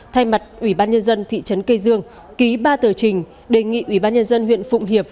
thay mặt ủy ban nhân dân thị trấn cây dương ký ba tờ trình đề nghị ủy ban nhân dân huyện phụng hiệp